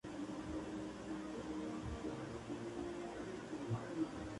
Su equipo actual es el Independiente Medellín de la Categoría Primera A de Colombia.